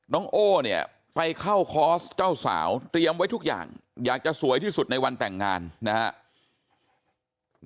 โอ้เนี่ยไปเข้าคอร์สเจ้าสาวเตรียมไว้ทุกอย่างอยากจะสวยที่สุดในวันแต่งงานนะครับ